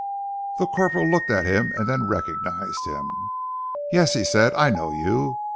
The corporal looked at him and then recognized him. "Yes," he said, "I know you.